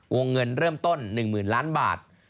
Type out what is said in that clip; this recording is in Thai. วงเงินเริ่มต้น๑๐๐๐ล้านบาท